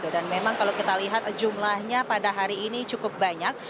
dan memang kalau kita lihat jumlahnya pada hari ini cukup banyak